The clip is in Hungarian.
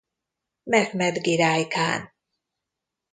Mehmed Giráj kán.